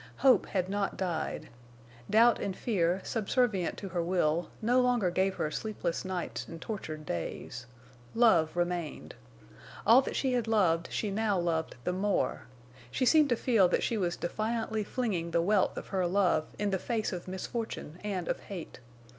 Hope had not died. Doubt and fear, subservient to her will, no longer gave her sleepless nights and tortured days. Love remained. All that she had loved she now loved the more. She seemed to feel that she was defiantly flinging the wealth of her love in the face of misfortune and of hate.